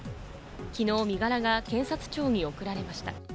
昨日、身柄が検察庁に送られました。